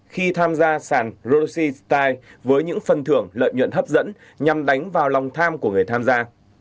khi tham gia sàn rossi style với những phần thưởng lợi nhuận hấp dẫn nhằm đánh vào lòng tham của người tham gia